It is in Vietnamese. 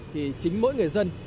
thì chính mỗi người dân